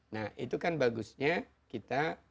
nah itu kan bagusnya kita